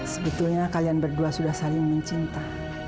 sebetulnya kalian berdua sudah saling mencintai